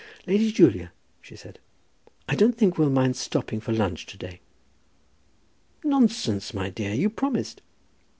"Lady Julia," she said, "I don't think we'll mind stopping for lunch to day." "Nonsense, my dear; you promised."